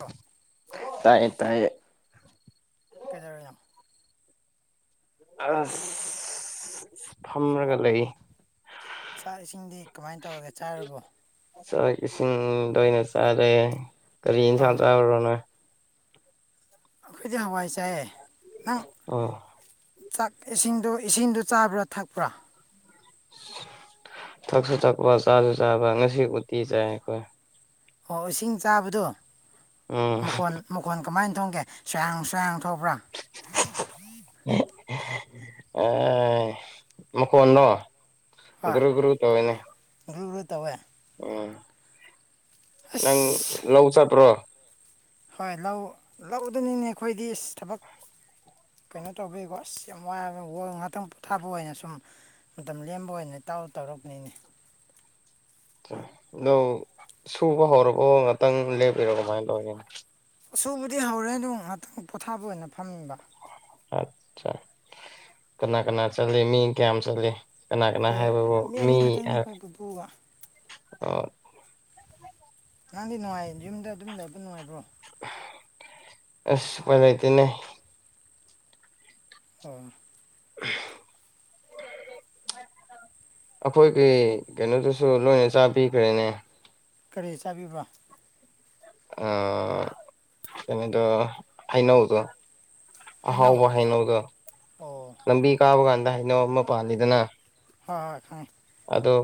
ꯑꯣ ꯇꯥꯏꯌꯦꯦ ꯇꯥꯏꯌꯦ ꯀꯦꯗꯔꯌꯥꯝ ꯑꯁ ꯐꯝꯔꯒ ꯂꯩ ꯆꯥꯛ ꯏꯁꯤꯡꯗꯤ ꯀꯃꯥꯏꯅ ꯇꯧꯔꯒꯦ ꯆꯥꯔꯕꯣ ꯆ ꯏꯁꯤꯡ ꯂꯣꯏꯅ ꯆꯥꯔꯦ ꯀꯔꯤ ꯑꯣ ꯏꯟꯁꯥꯡ ꯆꯥꯔꯨꯔꯣꯅ ꯑꯩꯈꯣꯏꯗꯤ ꯍꯋꯥꯏꯆꯥꯏ ꯑꯥ ꯆꯥꯛ ꯏꯁꯤꯡꯗꯣ ꯏꯁꯤꯡꯗꯣ ꯆꯥꯕ꯭ꯔꯥ ꯊꯛꯄ꯭ꯔꯥ ꯊꯛꯁꯨ ꯊꯛꯄ ꯆꯥꯁꯨ ꯆꯥꯕ ꯉꯁꯤ ꯎꯇꯤ ꯆꯥꯏ ꯑꯩꯈꯣꯏ ꯑꯣ ꯏꯁꯤꯡ ꯆꯥꯕꯗꯣ ꯎꯝ ꯃꯈꯣꯟ ꯃꯈꯣꯟ ꯀꯃꯥꯏꯅ ꯊꯣꯡꯒꯦ [unintelligible] [unintelligible] [unintelligible] ꯃꯀꯣꯟꯅꯣ ꯍꯣꯏ ꯨꯒ꯭ꯔꯨ ꯒ꯭ꯔꯨ ꯇꯧꯑꯦꯅꯦ ꯒ꯭ꯔꯨ ꯒ꯭ꯔꯨ ꯇꯧꯋꯦ ꯎꯝ ꯅꯪ ꯑꯁ ꯂꯧ ꯆꯠꯄ꯭ꯔꯣ ꯍꯣꯏ ꯂꯧ-ꯂꯧꯗꯅꯤꯅꯦ ꯑꯩꯈꯣꯏꯗꯤ ꯏꯁ ꯊꯕꯛ ꯀꯩꯅꯣ ꯇꯧꯕꯤꯕ ꯑꯁ ꯌꯥꯝ ꯋꯥꯕ ꯉꯥꯛꯇꯪ ꯄꯣꯊꯥꯕ ꯑꯣꯏꯅ ꯁꯨꯝ ꯃꯇꯝ ꯂꯦꯝꯕ ꯑꯣꯏꯅ ꯇꯥꯎ ꯇꯧꯔꯛꯄꯅꯤꯅꯦ ꯑꯗꯣ ꯁꯨꯕ ꯍꯧꯔꯔꯕ ꯉꯥꯛꯇꯪ ꯂꯦꯞꯄꯤꯔꯣ ꯀꯃꯥꯏꯅ ꯇꯧꯔꯤꯅꯣ ꯁꯨꯕꯨꯗꯤ ꯍꯧꯔꯦ ꯑꯗꯨꯝ ꯉꯥꯛꯇꯪ ꯄꯣꯊꯥꯕ ꯑꯣꯏꯅ ꯐꯝꯃꯤꯕ [unintelligible] ꯀꯅꯥ ꯀꯅꯥ ꯆꯠꯂꯤ ꯃꯤ ꯀꯌꯥꯝ ꯆꯠꯂꯤ ꯀꯅꯥ ꯀꯅꯥ ꯑꯩꯈꯣꯏ ꯍꯥꯏꯕꯕꯨ ꯃꯤ ꯑꯅꯤ ꯈꯛꯇꯅꯤ ꯑꯩꯈꯣꯏ ꯄꯨꯄꯨꯒ [unintelligible] ꯑꯣ ꯅꯪꯗꯤ ꯅꯨꯡꯉꯥꯏ ꯌꯨꯝꯗ ꯑꯗꯨꯝ ꯂꯩꯕ ꯅꯨꯡꯉꯥꯏꯕ꯭ꯔꯣ ꯑꯁ ꯎꯄꯏ ꯂꯩꯇꯦꯅꯦ ꯑꯣ [inaudible] ꯑꯩꯈꯣꯏꯒꯤ ꯀꯩꯅꯣꯗꯨꯁꯨ ꯂꯣꯏꯅ ꯆꯥꯕꯤꯈ꯭ꯔꯦꯅꯦ ꯀꯔꯤ ꯆꯥꯕꯤꯕ ꯑ-ꯀꯩꯅꯣꯗꯣ‌ ꯍꯩꯅꯧꯗꯣ ꯍꯩꯅꯧ ꯑꯍꯥꯎꯕ ꯍꯩꯅꯧꯗꯣ ꯑꯣ ꯍꯣꯏ ꯂꯝꯕꯤ ꯀꯥꯕ ꯀꯥꯟꯗ ꯍꯩꯅꯧ ꯑꯃ ꯄꯥꯜꯂꯤꯗꯅ ꯍꯣꯏ ꯍꯣꯏ ꯈꯪ ꯑꯗꯨ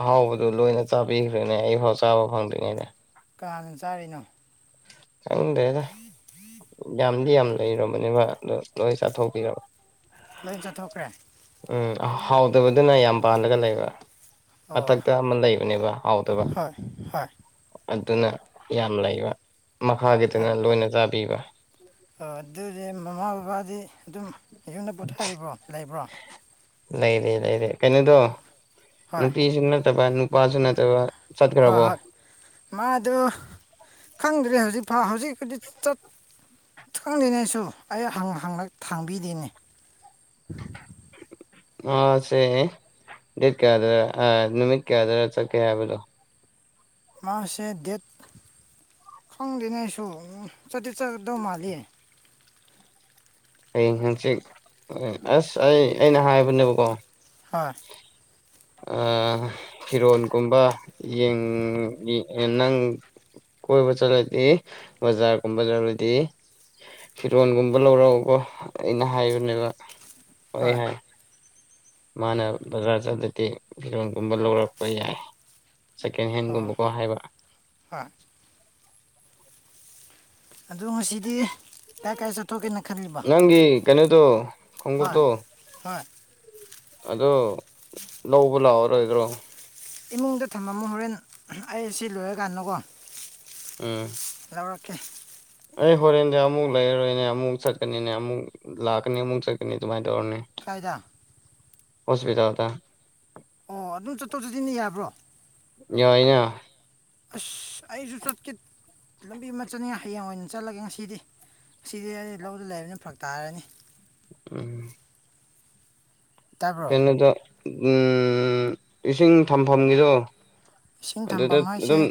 ꯑꯍꯥꯎꯕꯗꯨ ꯂꯣꯏꯅ ꯆꯥꯕꯤꯈ꯭ꯔꯅꯦ ꯑꯩꯐꯥꯎ ꯆꯥꯕ ꯐꯪꯗ꯭ꯔꯤꯉꯩꯗ ꯀꯅꯥꯅ ꯆꯥꯔꯤꯅꯣ ꯈꯪꯗꯦꯗ ꯌꯥꯝꯗꯤ ꯌꯥꯝ ꯂꯩꯔꯕꯅꯦꯕ ꯑꯗꯣ ꯂꯣꯏ ꯆꯥꯊꯣꯛꯄꯤꯔꯕ ꯂꯣꯏ ꯆꯠꯊꯣꯛꯈ꯭ꯔꯦ ꯎꯝ ꯍꯥꯎꯗꯕꯗꯨꯅ ꯌꯥꯝ ꯄꯥꯜꯂꯒ ꯂꯩꯕ ꯑꯣ ꯃꯊꯛꯇ ꯑꯃ ꯂꯩꯕꯅꯦꯕ ꯍꯥꯎꯗꯕ ꯍꯣꯏ ꯍꯣꯏ ꯑꯗꯨꯅ ꯌꯥꯝ ꯂꯩꯕ ꯃꯈꯥꯒꯤꯗꯅ ꯂꯣꯏꯅ ꯆꯥꯕꯤꯕ ꯑꯣ ꯑꯗꯨꯗꯤ ꯃꯃꯥ ꯕꯕꯥꯗꯤ ꯑꯗꯨꯝ ꯌꯨꯝꯗ ꯄꯣꯊꯥꯏꯕ꯭ꯔꯣ ꯂꯩꯕ꯭ꯔꯣ ꯂꯩꯔꯦ ꯂꯩꯔꯦ ꯀꯩꯅꯣꯗꯣ ꯍꯣꯏ ꯅꯨꯄꯤꯁꯨ ꯅꯠꯇꯕ ꯅꯨꯄꯥꯁꯨ ꯅꯠꯇꯕ ꯍꯣꯏ ꯆꯠꯈ꯭ꯔꯕꯣ ꯍꯣꯏ ꯃꯥ ꯑꯗꯨ ꯈꯪꯗ꯭ꯔꯦ ꯍꯧꯖꯤꯛꯐ ꯍꯧꯖꯤꯛꯗꯤ ꯆꯠ ꯈꯪꯗꯦꯅꯦ ꯑꯩꯁꯨ ꯑꯩ ꯍꯪ-ꯍꯪ ꯊꯥꯡꯕꯤꯗꯦꯅꯦ ꯑꯥ ꯁꯦ ꯗꯦꯠ ꯀꯌꯥꯗꯔ ꯑ-ꯅꯨꯃꯤꯠ ꯀꯌꯥꯗꯔ ꯆꯠꯀꯦ ꯍꯥꯏꯕꯗꯨ ꯃꯥꯁꯦ ꯗꯦꯠ ꯈꯪꯗꯦꯅꯦ ꯑꯩꯁꯨ ꯎ ꯆꯠꯇꯤ ꯆꯠꯗ ꯃꯥꯜꯂꯤ ꯍꯌꯦꯡ ꯍꯪꯆꯤꯠ ꯑꯁ ꯑꯩ-ꯑꯩꯅ ꯍꯥꯏꯕꯅꯦꯕꯀꯣ ꯍꯣꯏ ꯑ ꯐꯤꯔꯣꯟ ꯒꯨꯝꯕ ꯌꯦꯡ [unintelligible] ꯀꯣꯏꯕ ꯆꯠꯂꯗꯤ ꯕꯖꯥꯔꯒꯨꯝꯕ ꯆꯠꯂꯗꯤ ꯐꯤꯔꯣꯟꯒꯨꯝꯕ ꯂꯧꯔꯧꯀꯣ ꯑꯩꯅ ꯍꯥꯏꯕꯅꯦꯕ ꯍꯣꯏ ꯍꯥꯏ ꯃꯥꯅ ꯕꯖꯥꯔ ꯆꯠꯂꯗꯤ ꯐꯤꯔꯣꯟꯒꯨꯝꯕ ꯂꯧꯔꯛꯄ ꯌꯥꯏ ꯁꯦꯀꯦꯟ ꯑꯣ ꯍꯦꯟꯒꯨꯝꯕꯀꯣ ꯍꯥꯏꯕ ꯍꯣꯏ ꯑꯗꯣ ꯉꯁꯤꯗꯤ ꯀꯥꯏ ꯀꯥꯏ ꯆꯠꯊꯣꯛꯀꯦꯅꯦ ꯅꯪꯒꯤ ꯀꯩꯅꯨꯗꯨ ꯍꯣꯏ ꯍꯣꯏ ꯑ ꯂꯧꯕ ꯂꯥꯛꯑꯣꯔꯣꯏꯗ꯭ꯔꯣ ꯏꯃꯨꯡꯗ ꯊꯝꯃꯃ ꯍꯣꯔꯦꯟ ꯑꯩ ꯑꯁꯤ ꯂꯣꯏꯔꯀꯥꯟꯗꯀꯣ ꯑꯥ ꯇꯧꯔꯛꯀꯦ ꯑꯩ ꯍꯣꯔꯦꯟꯗꯤ ꯑꯃꯨꯛ ꯂꯩꯔꯔꯣꯏꯅꯦ ꯑꯃꯨꯛ ꯆꯠꯀꯅꯤꯅꯦ ꯑꯃꯨꯛ ꯂꯥꯛꯀꯅꯤ ꯑꯃꯨꯛ ꯆꯠꯀꯅꯤ ꯑꯗꯨꯃꯥꯏꯅ ꯧ ꯀꯥꯏꯗ ꯑꯣꯁꯕꯤꯗꯥ ꯑꯣ ꯑꯗꯨꯝ ꯆꯠꯊꯣꯛ ꯆꯠꯁꯤꯟꯗꯤ ꯌꯥꯕ꯭ꯔꯣ ꯌꯥꯏꯅ ꯑꯁ ꯑꯩꯁꯨ ꯆꯠꯀꯦ ꯂꯝꯕꯤ ꯑꯃ ꯆꯠꯅꯤꯡꯉꯦ ꯍꯌꯦꯡ ꯑꯣꯏꯅ ꯆꯠꯂꯒꯦ ꯉꯁꯤꯗꯤ ꯁꯤꯗꯤ ꯑꯩ ꯂꯧꯗꯨ ꯂꯩꯔꯕꯅꯤ ꯐꯛ ꯇꯥꯔꯅꯤ ꯎꯝ ꯇꯥꯕ꯭ꯔꯣ ꯀꯩꯅꯣꯗ ꯎ ꯏꯁꯤꯡ ꯊꯝꯐꯝꯒꯤꯗꯣ ꯏꯁꯤꯡ ꯊꯝꯕ ꯑꯗꯨꯗ ꯃꯣꯏꯁꯦ ꯑꯗꯨꯝ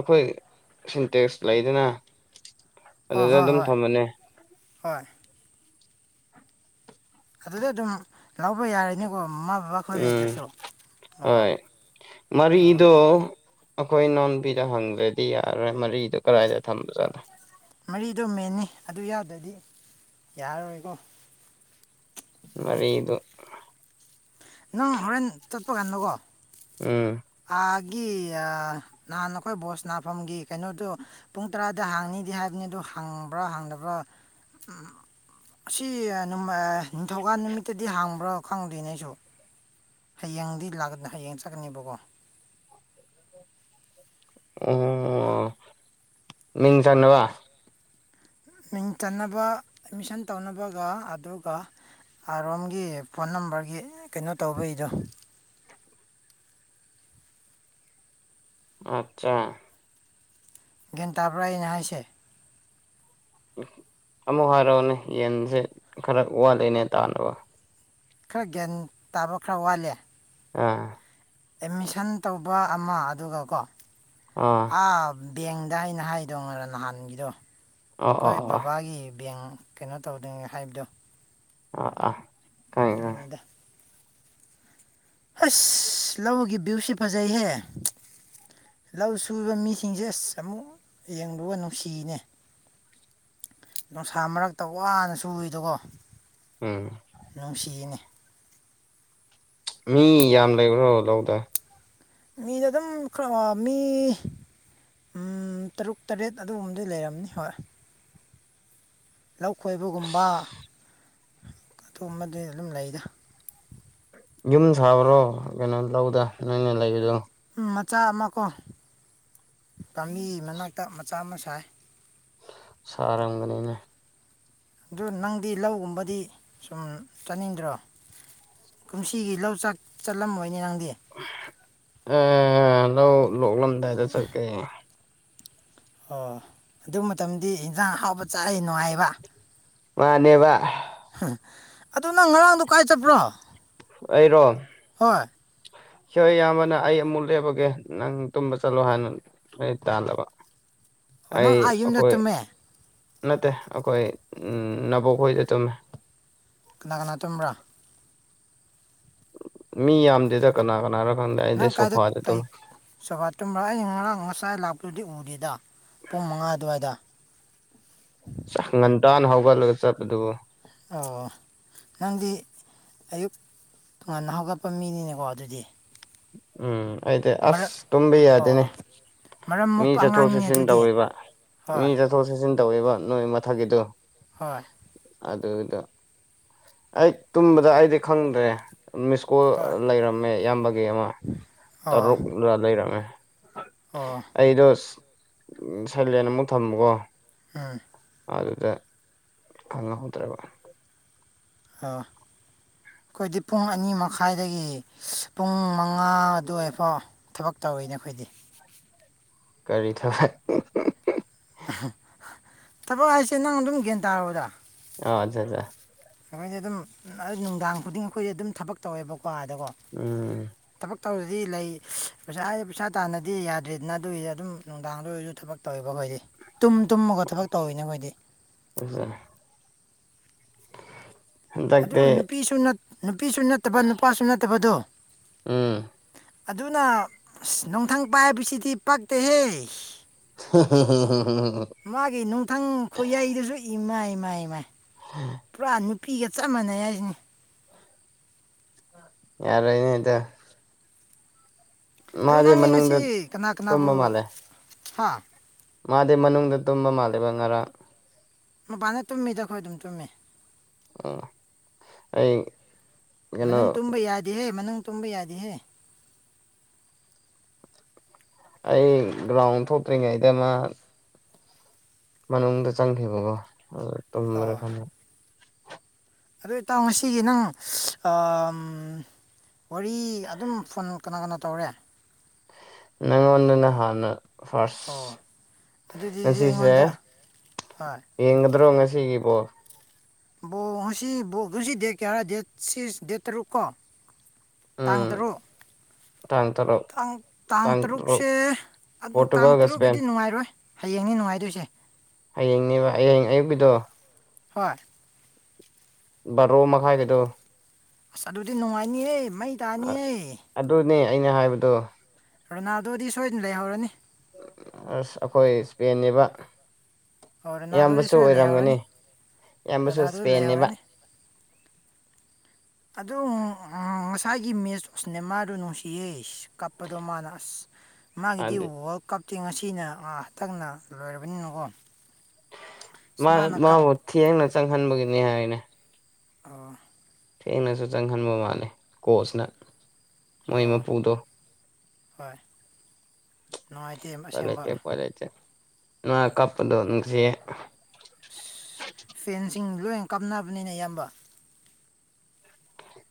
ꯑꯩꯈꯣꯏ ꯁꯤꯟꯇꯦꯛꯁ ꯂꯩꯗꯅ ꯑꯣ ꯑꯗꯨꯗ ꯍꯣꯏ ꯑꯗꯨꯝ ꯍꯣꯏ ꯊꯝꯃꯅꯤ ꯍꯣꯏ ꯑꯗꯨꯗ ꯑꯗꯨꯝ ꯂꯧꯕ ꯌꯥꯔꯅꯤꯀꯣ ꯕꯕꯥ ꯈꯣꯏ ꯎꯝ ꯂꯩꯇ꯭ꯔꯁꯨ ꯑꯣ ꯍꯣꯏ ꯃꯔꯣ ꯑꯣ ꯑꯩꯈꯣꯏ ꯅꯥꯎꯣꯟꯕꯤꯗ ꯍꯪꯗ꯭ꯔꯗꯤ ꯌꯥꯔꯔꯣꯏ ꯃꯔꯤꯗꯨ ꯀꯗꯥꯏꯗ ꯊꯝꯕꯖꯥꯠꯅꯣ ꯃꯔꯤꯗꯣ ꯃꯦꯟꯅꯤ ꯑꯗꯨ ꯌꯥꯗ꯭ꯔꯗꯤ ꯌꯥꯔꯔꯣꯏꯀꯣ ꯃꯔꯤ ꯏ ꯑꯗꯨ ꯅꯪ ꯍꯣꯔꯦꯟ ꯆꯠꯄ ꯀꯥꯟꯗꯀꯣ ꯎꯝ ꯅꯍꯥꯟ ꯑꯩꯈꯣꯏ ꯕꯣꯁ ꯅꯥꯐꯝꯒꯤ ꯀꯩꯅꯣꯗꯨꯣ ꯄꯨꯡ ꯇꯔꯥꯗ ꯍꯥꯡꯅꯤ ꯍꯥꯏꯕꯅꯤ ꯑ ꯑꯗꯨ ꯍꯪꯕ꯭ꯔꯥ ꯍꯪꯗꯕ꯭ꯔꯥ ꯁꯤ ꯅꯤꯡꯊꯧꯀꯥꯟ ꯅꯨꯃꯤꯠꯇꯗꯤ ꯍꯥꯡꯕ꯭ꯔꯣ ꯈꯪꯗꯣꯏꯅꯦ ꯑꯩꯁꯨ ꯍꯌꯦꯡꯗꯤ ꯂꯥꯛꯀ ꯍꯌꯦꯡ ꯆꯠꯀꯅꯦꯕꯀꯣ ꯑꯣ ꯃꯤꯡ ꯁꯥꯟꯅꯕ ꯃꯤꯡ ꯆꯟꯅꯕ ꯑꯦꯠꯃꯤꯁꯟ ꯇꯧꯅꯕꯒ ꯑꯗꯨꯒ ꯑꯥꯔꯣꯝꯒꯤ ꯐꯣꯟ ꯅꯝꯕꯔꯒꯤ ꯀꯩꯅꯣ ꯇꯧꯕꯩꯗꯣ ꯑꯆꯥ ꯒꯦꯟ ꯇꯥꯕ꯭ꯔꯥꯅꯦ ꯍꯥꯏꯁꯦ ꯑꯃꯨꯛ ꯍꯥꯏꯔꯛꯑꯣꯅꯦ ꯌꯦꯟꯁꯦ ꯈꯔ ꯋꯥꯠꯂꯤꯅꯦ ꯇꯥꯅꯕ ꯈꯔ ꯒ꯭ꯌꯥꯟ ꯇꯥꯕ ꯈꯔ ꯋꯥꯠꯂꯦ ꯑꯥ ꯑꯦꯠꯃꯤꯁꯟ ꯇꯧꯕ ꯑꯃ ꯑꯗꯨꯒ ꯀꯣ ꯑꯥ ꯕꯦꯡꯗ ꯑꯩꯅ ꯍꯥꯏꯗꯧ ꯉꯔ ꯅꯍꯥꯟꯒꯤꯗꯣ ꯑꯣ ꯑꯣ ꯑꯩꯈꯣꯏ ꯑꯣ ꯕꯕꯥꯒꯤ ꯕꯦꯡ ꯀꯩꯅꯣ ꯇꯧꯗ꯭ꯔꯤꯉ ꯍꯥꯏꯕꯗꯣ ꯑ ꯑꯥ ꯈꯪꯉꯦ ꯈꯪꯉꯦ ꯑꯗꯨꯃꯤꯉꯗ ꯑꯁ ꯂꯧꯒꯤ ꯚ꯭ꯌꯨꯁꯤ ꯐꯖꯩꯍꯦ ꯂꯧ ꯁꯨꯕ ꯃꯤꯁꯤꯡꯁꯦ ꯑꯁ ꯑꯃꯨꯛ ꯌꯦꯡꯒ ꯅꯨꯡꯁꯤꯅꯦ ꯅꯨꯡꯁꯥ ꯃꯔꯛꯇ ꯋꯥꯅ ꯁꯨꯏꯗꯀꯣ ꯎꯝ ꯅꯨꯡꯁꯤꯅꯤ ꯃꯤ ꯌꯥꯝ ꯂꯩꯕ꯭ꯔꯣ ꯂꯧꯗ ꯃꯤꯗ ꯑꯗꯨꯝꯔ ꯃꯤ ꯎ ꯇꯔꯨꯛ ꯇꯔꯦꯠ ꯑꯗꯨꯒꯨꯝꯕꯗꯤ ꯂꯩꯔꯝꯅꯤ ꯍꯣꯏ ꯂꯧ ꯈꯣꯏꯕꯒꯨꯝꯕ ꯑꯗꯨꯒꯝꯕꯗꯤ ꯑꯗꯨꯝ ꯂꯩꯗ ꯌꯨꯝ ꯁꯥꯕ꯭ꯔꯣ ꯀꯩꯅꯣ ꯂꯧꯗ ꯅꯣꯏꯅ ꯂꯩꯕꯗꯣ ꯎꯝ ꯃꯆꯥ ꯑꯃ ꯀꯣ ꯄꯥꯝꯕꯤ ꯃꯅꯥꯛꯇ ꯃꯆꯥ ꯑꯃ ꯁꯥꯏ ꯁꯥꯔꯝꯒꯅꯤꯅ ꯑꯗꯨ ꯅꯪꯗꯤ ꯂꯧꯒꯨꯝꯕꯗꯤ ꯁꯨꯝ ꯆꯥꯅꯤꯡꯗ꯭ꯔꯣ ꯀꯨꯝꯁꯤꯒꯤ ꯂꯧꯆꯥꯛ ꯆꯠꯂꯝꯃꯣꯏꯅꯦ ꯅꯪꯗꯤ ꯂꯧ ꯂꯣꯛꯂꯝꯗꯥꯏꯗ ꯆꯠꯀꯦ ꯑꯣ ꯑꯗꯨ ꯃꯇꯝꯗꯤ ꯏꯟꯖꯥꯡ ꯑꯥꯎꯕ ꯆꯥꯏꯑ ꯅꯨꯡꯉꯥꯏꯕ ꯋꯥꯅꯦꯕ ꯑꯗꯨ ꯅꯪ ꯉꯔꯥꯡꯗꯣ ꯀꯥꯏ ꯆꯠꯄ꯭ꯔꯣ ꯑꯩꯔꯣ ꯍꯣꯏ ꯍꯣꯏ ꯏꯌꯥꯝꯕꯅ ꯑꯩ ꯑꯃꯨꯛ ꯂꯦꯞꯄꯒꯦ ꯅꯪ ꯇꯨꯝꯕ ꯆꯠꯂꯣ ꯍꯥꯏꯅ ꯂ ꯇꯥꯜꯂꯕ ꯍꯅ ꯑꯩ ꯑꯌꯨꯨꯝ ꯑꯩꯈꯣꯏ ꯅꯨꯃꯦ ꯅꯠꯇꯦ ꯑꯩꯈꯣꯏ ꯅꯕꯣꯛꯈꯣꯏꯗ ꯆꯨꯝꯃꯦ ꯀꯅꯥ ꯀꯅꯥꯇꯨꯝꯝꯕ꯭ꯔꯥ ꯃꯤ ꯌꯥꯝꯗꯦꯗ ꯀꯅꯥ ꯀꯅꯥꯅ ꯅꯪ ꯀꯥꯏꯗ ꯇꯥꯏꯛ ꯁꯣꯕꯥꯥꯇꯝ ꯉꯥꯏ ꯂꯥꯛꯇ꯭ꯔꯗꯤ ꯎꯗꯔꯤꯗ ꯄꯨꯡ ꯃꯉꯥ ꯑꯗꯨꯋꯥꯏꯗ ꯗꯥꯥꯟ ꯍꯧꯒ ꯂ ꯆ ꯑꯗꯨ ꯑꯣ ꯅꯪꯗꯤ ꯑꯌꯨꯛ ꯇꯣꯉꯟꯅ ꯍꯧꯒꯠꯄ ꯃꯤꯅꯤꯅꯦꯀꯣ ꯑꯗꯨꯗꯤ ꯎꯝ ꯑꯩꯗꯤ ꯑꯁ ꯃꯔꯛ ꯇꯨꯝꯕ ꯌꯗꯦꯅꯦ ꯑꯣ ꯃꯔꯝ ꯃꯤ ꯃꯣꯛꯄ ꯆꯠꯊꯣꯛ ꯑꯉꯥꯡꯅꯤꯅꯦ ꯆꯠꯁꯤꯟ ꯑꯗꯨꯗꯤ ꯇꯧꯔꯤꯕ ꯃꯤ ꯍꯣꯏ ꯆꯠꯊꯣꯛ ꯆꯠꯁꯤꯟ ꯇꯧꯔꯤꯕ ꯅꯣꯏ ꯃꯊꯛꯀꯤꯗꯨ ꯍꯣꯏ ꯑꯗꯨꯗꯣ ꯑꯩ ꯇꯨꯝꯕꯗ ꯑꯩꯗꯤ ꯈꯪꯗ꯭ꯔꯦ ꯃꯤꯁꯀꯣꯜ ꯍꯣꯏ ꯂꯩꯔꯝꯃꯦ ꯏꯌꯥꯝꯕꯒꯤ ꯑꯃ ꯑꯣ ꯇꯔꯨꯛ ꯂꯩꯔꯝꯃꯦ ꯑꯣ ꯑꯁ ꯁꯂꯦꯟ ꯑꯃꯨꯛ ꯊꯝꯃꯨꯀꯣ ꯎꯝ ꯑꯗꯨꯗ ꯈꯪꯍꯧꯗ꯭ꯔꯕ ꯑꯥ ꯈꯣꯏꯗꯤ ꯄꯨꯡ ꯑꯅꯤ ꯃꯈꯥꯏꯗꯒꯤ ꯄꯨꯡ ꯃꯉꯥ ꯑꯗꯨꯋꯥꯏꯐꯥꯎ ꯊꯕꯛ ꯇꯧ ꯇꯧꯋꯦꯅꯦ ꯑꯈꯣꯏꯗꯤ ꯀꯔꯤ ꯊꯕꯛ ꯊꯕꯛ ꯍꯥꯏꯁꯦ ꯅꯪ ꯑꯗꯨꯝ ꯒ꯭ꯌꯥꯟ ꯇꯔꯣꯗ ꯑꯣ ꯖꯥ ꯖꯥ ꯑꯩꯈꯣꯏꯗꯤ ꯑꯗꯨꯝ ꯅꯨꯡꯗꯥꯡ ꯈꯨꯗꯤꯡ ꯑꯩꯈꯣꯏꯗꯤ ꯑꯗꯨꯝ ꯊꯕꯛ ꯇꯧꯋꯦꯕꯀꯣ ꯑꯗꯀꯣ ꯎꯝ ꯇꯧꯔꯗꯤ ꯂꯩ ꯄꯩꯁꯥ ꯄꯩꯁꯥ ꯇꯥꯟꯗꯔꯥꯗꯤ ꯌꯥꯗ꯭ꯔꯦꯗꯅ ꯑꯗꯨꯒꯤꯗꯤ ꯑꯗꯨꯝ ꯅꯨꯡꯗꯥꯡꯗ ꯑꯣꯏꯔꯁꯨ ꯊꯕꯛ ꯇꯧꯋꯦꯕꯀꯣ ꯇꯨꯝ ꯇꯨꯝꯃꯒ ꯊꯕꯛ ꯇꯧꯋꯤꯅꯦ ꯑꯈꯣꯏꯗꯤ ꯑꯗꯨꯕꯨ ꯍꯟꯗꯛꯇꯤ ꯅꯨꯄꯤꯁꯨ ꯅꯨꯄꯤꯁꯨ ꯅꯠꯇꯕ ꯅꯨꯄꯥꯁꯨ ꯅꯠꯇꯕꯗꯣ ꯎꯝ ꯑꯗꯨꯅ ꯑꯁ ꯅꯨꯡꯊꯪ ꯄꯥꯏꯕꯁꯤꯗꯤ ꯄꯥꯛꯇꯦꯍꯦ ꯍꯦ ꯍꯦ ꯍꯦ ꯃꯥꯒꯤ ꯅꯨꯡꯊꯪ ꯈꯨꯏꯌꯥꯩꯗꯁꯨ ꯏꯃꯥꯢ ꯏꯃꯥꯢ ꯏꯃꯥꯏ ꯄꯨꯔꯥ ꯅꯨꯄꯤꯒ ꯆꯞ ꯃꯥꯟꯅꯩ ꯍꯥꯏꯁꯤꯅꯦ ꯌꯥꯔꯅꯥꯏꯗ ꯑꯗ ꯅꯪꯅꯦ ꯉꯁꯤ ꯀꯅꯥ ꯇꯨꯝꯕ ꯀꯅꯥꯕꯨ ꯃꯥꯜꯂꯦ ꯍꯥ ꯃꯥꯗꯤ ꯃꯅꯨꯡꯗ ꯇꯨꯝꯕ ꯃꯥꯜꯂꯤꯕ ꯉꯔꯥꯡ ꯃꯄꯅ ꯇꯨꯝꯃꯤꯗ ꯑꯩꯈꯣꯏ ꯑꯗꯨꯝ ꯇꯨꯝꯃꯤ ꯑꯥ ꯑꯩ ꯀꯩꯅꯣ ꯃꯅꯨꯡ ꯇꯨꯝꯕ ꯌꯥꯗꯤꯍꯦ ꯃꯅꯨꯡ ꯇꯨꯝꯕ ꯌꯥꯗꯤꯍꯦ ꯑꯩ ꯒ꯭ꯔꯥꯎꯟ ꯊꯣꯛꯇ꯭ꯔꯤꯉꯩꯗ ꯃꯥ ꯃꯅꯨꯡꯗ ꯆꯪꯈꯤꯕꯀꯣ ꯇꯨꯝꯔ ꯑꯥ ꯐꯅ ꯑꯗꯨ ꯏꯇꯥꯥꯎ ꯉꯁꯤꯒꯤ ꯅꯪ ꯋꯥꯔꯤ ꯑꯗꯨꯝ ꯐꯣꯟ ꯀꯅꯥ ꯀꯅꯥ ꯇꯧꯔꯦ ꯅꯑꯣꯟꯗꯅ ꯍꯥꯟꯅ ꯑꯣ ꯐꯥꯔꯁ ꯑꯗꯨꯗꯤ ꯉꯁꯤꯁꯦ ꯑꯩꯉꯣꯟꯗ ꯍꯣꯏ ꯌꯦꯡꯒꯗ꯭ꯔꯣ ꯉꯁꯤ ꯑꯁꯤꯒꯤ ꯄꯣꯜ ꯍꯧꯖꯤꯛ ꯗꯦꯠ ꯀꯌꯥꯔ ꯗꯦꯠ ꯁꯤꯁ ꯗꯦꯠ ꯇꯔꯨꯛ ꯀꯣ ꯇꯥꯡ ꯎꯝ ꯇꯔꯨꯛ ꯇꯥꯡ ꯇꯔꯨꯛ ꯥꯡ ꯇꯥꯡ ꯇꯔꯨꯛꯁꯦ ꯑꯗꯣ ꯇꯥꯡ ꯄꯣꯔꯇꯨꯒꯜꯒ ꯁ꯭ꯄꯦꯟ ꯇꯔꯨꯛꯀꯤꯗꯤ ꯅꯨꯡꯉꯥꯏꯔꯣꯏ ꯍꯌꯦꯡꯅꯤ ꯅꯨꯡꯉꯥꯏꯗꯣꯏꯁꯦ ꯍꯌꯦꯡꯅꯦꯕ ꯍꯌꯦꯡ ꯑꯌꯨꯛꯀꯤꯗꯣ ꯍꯣꯏ ꯕꯥꯔꯣ ꯃꯈꯥꯏꯒꯤꯗꯣ ꯑꯁ ꯑꯗꯨꯗꯤ ꯅꯨꯡꯉꯥꯏꯅꯤꯍꯦ ꯃꯩ ꯇꯥꯅꯤꯍꯦ ꯅꯦ ꯑꯩꯅ ꯍꯥꯏꯕꯗꯣ ꯔꯣꯅꯥꯜꯗꯣꯗꯤ ꯁꯣꯏꯗꯅ ꯂꯩꯍꯧꯔꯅꯤ ꯑꯁ ꯑꯩꯈꯣꯏ ꯏꯁꯄꯦꯟꯅꯤꯕ ꯑꯣ ꯔꯣꯅꯥꯜꯗꯣꯗꯤ ꯏꯌꯥꯝꯕꯁꯨ ꯁꯣꯏꯗꯅ ꯑꯣꯏꯔꯝꯒꯅꯤ ꯂꯩꯍꯧꯔꯅꯤ ꯏꯌꯥꯝꯕꯁꯨ ꯔꯣꯅꯥꯜꯗꯣꯗꯤ ꯂꯩꯍꯧꯔꯅꯤ ꯏꯁꯄꯦꯟꯅꯦꯕ [unintelligible] ꯑꯗꯨ ꯉꯁꯥꯏꯒꯤ ꯃꯦꯁ ꯑꯨꯎ ꯅꯦꯃꯥꯔꯗꯨ ꯅꯨꯡꯁꯤꯌꯦ ꯀꯞꯄꯗꯣ ꯃꯥꯅ ꯑꯁ ꯃꯥꯒꯤꯗꯤ ꯃꯥꯗꯤ ꯋꯥꯔꯜ ꯀꯞ ꯉꯁꯤꯅ ꯍꯥꯟꯇꯥꯛꯅ ꯂꯣꯏꯔꯕꯅꯤꯅꯀꯣ ꯑꯁ ꯃꯥꯅ ꯀꯞ ꯃꯥꯕꯨ ꯊꯦꯡꯅ ꯆꯪꯍꯟꯕꯒꯤꯅꯤ ꯍꯥꯏꯅꯦ ꯑꯥ ꯊꯦꯡꯅꯁꯨ ꯆꯪꯍꯟꯕ ꯃꯥꯜꯂꯦ ꯀꯣꯆꯅ ꯃꯣꯏ ꯃꯄꯨꯗꯣ ꯍꯣꯏ ꯅꯨꯡꯉꯥꯏꯇꯦ ꯎꯄꯥꯢ ꯂꯩꯇꯦ ꯑꯁꯦꯡꯕ ꯎꯄꯥꯢ ꯂꯩꯇꯦ ꯃꯅꯥ ꯀꯞꯄꯗꯣ ꯅꯨꯡꯁꯤꯍꯦ ꯃꯤ ꯂꯣꯏꯅ ꯀꯥꯞꯅꯕꯅꯤꯅ ꯢꯌꯥꯝꯕ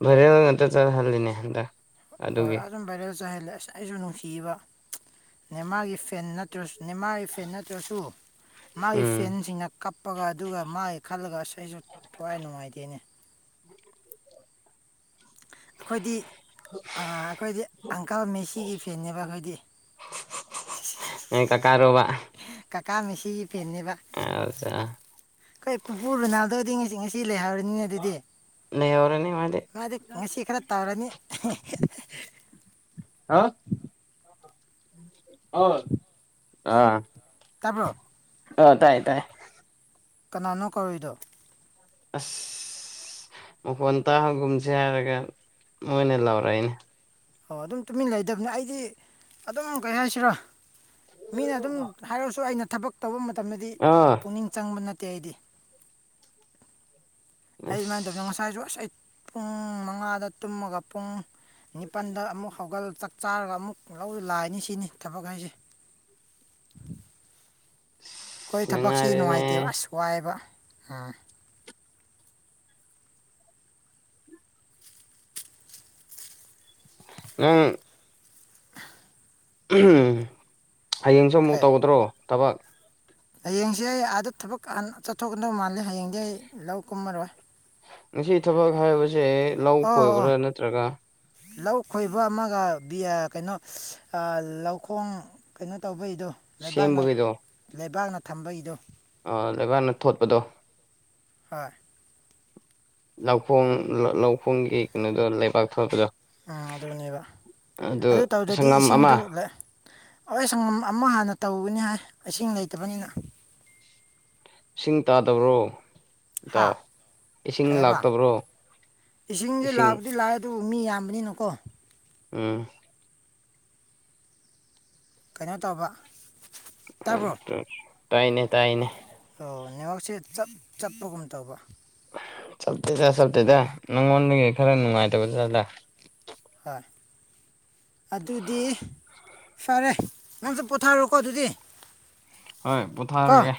ꯔꯦ ꯆꯠ ꯍꯜꯗꯅꯦ [inaudible] ꯍꯣꯏ ꯑꯗꯨꯝ ꯚꯥꯏꯔꯦꯜ ꯆꯥꯏꯍꯜꯂꯦ ꯑꯁ ꯑꯩꯁꯨ ꯅꯨꯡꯁꯤꯕ ꯅꯧꯃꯥꯔꯒꯤ ꯐꯦꯟ ꯅꯦꯃꯥꯔꯒꯤ ꯐꯦꯟ ꯅꯠꯇ꯭ꯔꯁꯨ ꯃꯥꯒꯤ ꯎꯝ ꯐꯦꯟꯁꯤꯡꯅ ꯀꯞ ꯀꯞꯄꯒ ꯑꯗꯨꯒ ꯃꯥꯒꯤ ꯈꯜꯂꯒ ꯑꯁ ꯑꯩꯁꯨ ꯊꯋꯥꯏ ꯅꯨꯡꯉꯥꯏꯇꯦꯅꯦ ꯑꯩꯈꯣꯏꯗꯤ ꯑꯩꯈꯣꯏꯗꯤ ꯑꯪꯀꯜ ꯃꯦꯁꯤꯒꯤ ꯐꯦꯟꯅꯦꯕ ꯑꯩꯈꯣꯏꯗꯤ ꯅꯣꯢ ꯀꯥ ꯀꯥ ꯔꯣꯕ ꯀꯀꯥ ꯃꯤꯁꯤꯒꯤ ꯐꯦꯟꯅꯦꯕ ꯑꯠꯆꯥ ꯑꯩꯈꯣꯏ ꯄꯨꯄ ꯔꯅꯥꯜꯗꯧꯗꯤ ꯉꯁꯤ ꯉꯁꯤ ꯂꯩꯍꯧꯔ ꯅꯤꯡꯅꯤꯡꯉ ꯑꯗꯨꯗꯤ ꯃꯥꯗꯤ ꯉꯁꯤ ꯈꯔ ꯇꯧꯔꯅꯤ ꯑ ꯑꯥ ꯇꯥꯕ꯭ꯔꯣ ꯑ ꯇꯥꯏ ꯇꯥꯏ ꯀꯅꯥꯅꯣ ꯀꯧꯔꯔꯤꯏꯗꯣ ꯑꯁ ꯃꯈꯣꯟ ꯇꯥꯒꯨꯝꯁꯦ ꯍꯥꯏꯔꯒ ꯃꯣꯏꯅ ꯂꯧꯔꯛꯏꯅꯦ ꯑꯣ ꯑꯗꯨꯝ ꯇꯨꯃꯤꯟ ꯂꯩꯗꯕꯅꯤ ꯑꯩꯗꯤ ꯑꯗꯨꯝ ꯀꯩ ꯍꯥꯏꯁꯤꯂ ꯃꯤꯅ ꯑꯗꯨꯝ ꯍꯥꯏꯔꯁꯨ ꯑꯩꯅ ꯊꯕꯛ ꯇꯧꯕ ꯃꯇꯝꯗꯗꯤ ꯑꯥ ꯄꯨꯛꯅꯤꯡ ꯆꯪꯕ ꯅꯠꯇꯦ [inaudible] ꯑꯩꯗꯤ ꯑꯩ ꯑꯁ ꯑꯗꯨꯃꯥꯏꯅ ꯇꯧꯅꯣ ꯉꯁꯥꯏꯁꯨ ꯑꯁ ꯑꯩ ꯄꯨꯡ ꯃꯉꯥꯗ ꯇꯨꯝꯃꯒ ꯄꯨꯡ ꯅꯤꯄꯜꯗ ꯑꯃꯨꯛ ꯍꯧꯒꯠꯂ ꯆꯥꯛ ꯆꯥꯔꯒ ꯑꯃꯨꯛ ꯂꯧ ꯂꯥꯛꯑꯅꯤ ꯁꯤꯅꯤ ꯊꯕꯛ ꯍꯥꯏꯁꯦ ꯑꯩꯈꯣꯏ ꯑꯁ ꯊꯕꯛꯁꯤ ꯅꯨꯡꯉꯥꯏꯔꯦꯅꯦ ꯅꯨꯡꯉꯥꯏꯇꯦꯕ ꯑꯁ ꯋꯥꯏꯑꯦꯕ ꯑꯥ ꯎꯝ ꯍꯌꯦꯡꯁꯨ ꯑꯃꯨꯛ ꯀꯩ ꯇꯧꯒꯗ꯭ꯔꯣ ꯊꯕꯛ ꯍꯌꯦꯡꯁꯦ ꯑꯩ ꯑꯥꯗ ꯊꯕꯛ ꯆꯠꯊꯣꯛꯀꯗꯧ ꯃꯥꯜꯂꯦ ꯍꯌꯦꯡꯗꯤ ꯑꯩ ꯂꯧ ꯀꯨꯝꯃꯔꯣꯏ ꯉꯁꯤ ꯊꯕꯛ ꯍꯥꯏꯕꯁꯦ ꯂꯧ ꯑꯣ ꯑꯣ ꯈꯣꯏꯕ꯭ꯔꯥ ꯅꯠꯇ꯭ꯔꯒ ꯂꯧ ꯈꯣꯏꯕ ꯑꯃꯒ ꯀꯩꯅꯣ ꯂꯧꯈꯣꯡ ꯀꯩꯅꯣ ꯇꯧꯕꯩ ꯑꯣ ꯂꯩꯕꯥꯛꯅ ꯂꯩꯕꯥꯛꯅ ꯊꯝꯕꯩꯗꯣ ꯑ ꯂꯩꯀꯥꯛꯅ ꯊꯣꯠꯄꯗꯣ ꯍꯥ ꯂꯧꯈꯣꯡ ꯂꯧꯈꯣꯡꯒꯤ ꯀꯩꯅꯣꯗꯣ ꯂꯩꯕꯥꯛ ꯊꯄꯗꯣ ꯎꯝ ꯑꯗꯨꯅꯦꯕ ꯑꯗꯨ ꯇꯧꯗꯗꯤ ꯁꯪꯒꯝ ꯏꯁꯤꯡꯗꯨ ꯑꯃ ꯍ ꯁꯪꯒꯝ ꯑꯃꯛ ꯍꯥꯟꯅ ꯇꯧꯒꯅꯤ ꯍꯥꯏ ꯏꯁꯤꯡ ꯂꯩꯇꯕꯅꯤꯅ ꯁꯤꯡ ꯇꯥꯗꯧꯔꯣ ꯍꯥ ꯏꯇꯥꯎ ꯏꯁꯤꯡ ꯀꯩ ꯍꯥꯏꯕ ꯂꯥꯛꯇꯕ꯭ꯔꯣ ꯏꯁꯤꯡ ꯑꯗꯨ ꯃꯤ ꯌꯥꯝꯕꯅꯤꯅꯀꯣ ꯎꯝ ꯀꯩꯅꯣ ꯇꯧꯕ ꯇꯥꯕ꯭ꯔꯣ ꯇꯥꯏꯅꯦ ꯇꯥꯏꯅꯦ ꯑꯣ ꯅꯦꯋꯥꯛꯁꯦ ꯆꯞ ꯆꯠꯄꯒꯨꯝ ꯇꯧꯕ ꯆꯞꯇꯦ ꯆꯞꯇꯦꯗ ꯅꯪꯉꯣꯟꯗꯒꯤ ꯈꯔ ꯅꯨꯡꯉꯥꯏꯇꯕꯖꯥꯗ ꯍꯣꯏ ꯑꯗꯨꯗꯤ ꯐꯔꯦ ꯉꯝꯁꯨ ꯄꯣꯊꯥꯔꯣꯀꯣ ꯑꯗꯨꯗꯤ ꯍꯣꯏ ꯀꯣ ꯄꯊꯥꯔꯒꯦ